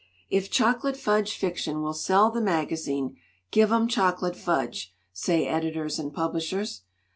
"'If chocolate fudge fiction will sell the maga zine, give 'em chocolate fudge!' say editors and publishers.